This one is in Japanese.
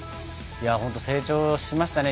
成長しましたね